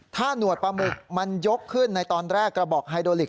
ถ้าหนวดปลาหมึกมันยกขึ้นในตอนแรกกระบอกไฮโดลิก